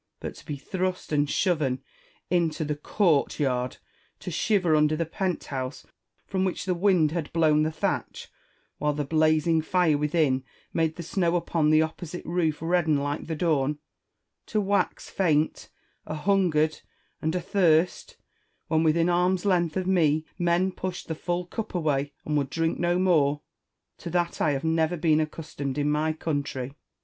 But to be thrust and shoven into the court yard ; to shiver under the pont house from which the wind had blown the thatch, while the blazing fire within made the snow upon the opposite roof redden like the dawn ; to wax faint, ahungered, and athirst, when, within arm's length of me, men pushed the full cup away, and would drink no more, — to that I have never been accustomed in my country.